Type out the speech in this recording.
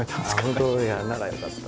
本当？ならよかった。